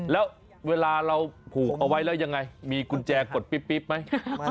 แล้วเวลาเราผูกเอาไว้แล้วยังไงมีกุญแจกดปิ๊บไหม